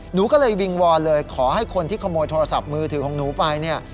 หนูก็เลยวิงวอนเลยขอให้คนที่ขโมยโทรศัพท์มือถือของหนูไปเนี่ย